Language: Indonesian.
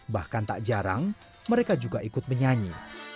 bahkan tak jarang mereka juga ikut menyanyi